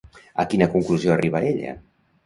A quina conclusió arriba ella?